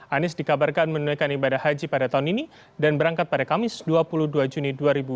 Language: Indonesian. anies dikabarkan menunaikan ibadah haji pada tahun ini dan berangkat pada kamis dua puluh dua juni dua ribu dua puluh